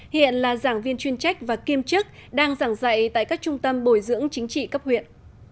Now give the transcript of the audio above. hiện là giảng viên chuyên trách và kiêm chức đang giảng dạy tại các trung tâm bồi dưỡng chính trị cấp huyện